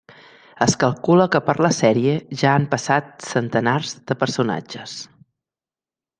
Es calcula que per la sèrie ja han passat centenars de personatges.